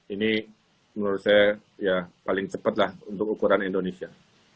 ini menurut saya ya paling cepat lah untuk ukuran indonesia